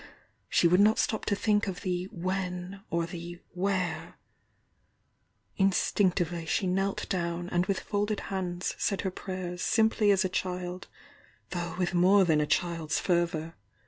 — she would not stop to think of the "when" or the "where" — instinctively she knelt down, and with folded hands said her prayers simply as a child, though vith more than a child's fervour.